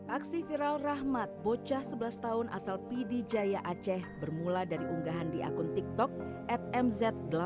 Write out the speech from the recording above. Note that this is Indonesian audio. aksi viral rahmat bocah sebelas tahun asal pd jaya aceh bermula dari unggahan di akun tiktok at mz delapan puluh